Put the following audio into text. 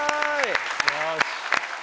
よし！